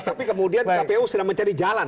tapi kemudian kpu sedang mencari jalan